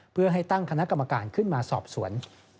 เพื่อให้ตั้งคณะกรรมการขึ้นมาสอบสวน